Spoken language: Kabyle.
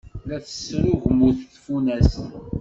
La tesrugmut tfunast.